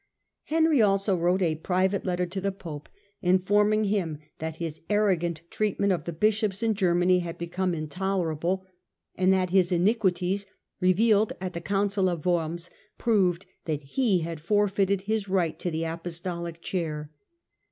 Henry also wrote a private letter to the pope inform ing him that his arrogant treatment of the bishops in Germany had become intolerable, and that his iniqui ties, revealed at the Council of Worms, proved that he had forfeited his right to the Apostolic chair.